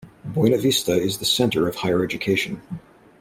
Buenavista is the center of higher education.